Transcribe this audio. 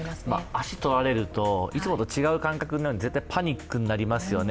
足とられるといつもと違う感覚になって絶対パニックになりますよね。